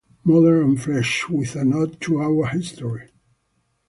Modern and fresh, with a nod to our history.